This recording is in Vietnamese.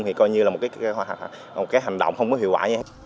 thì coi như là một cái hành động không có hiệu quả nhé